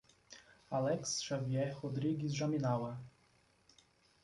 Alex Xavier Rodrigues Jaminawa